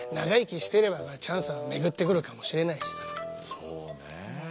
そうねえ。